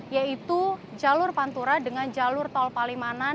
yaitu jalur pantura dengan jalur tol palimanan di indramayu